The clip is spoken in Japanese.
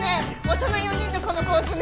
大人４人のこの構図ね。